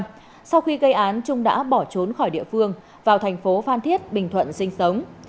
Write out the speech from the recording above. sau khi gây án trung đã bỏ trốn khỏi địa phương vào thành phố phan thiết bình thuận sinh sống